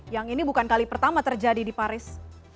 yang ini bukan kali pertama terjadi di paris